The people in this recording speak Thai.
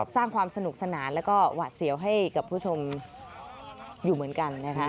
สร้างความสนุกสนานแล้วก็หวาดเสียวให้กับผู้ชมอยู่เหมือนกันนะคะ